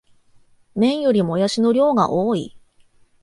麺よりもやしの量が多い